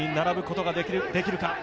父に並ぶことができるか。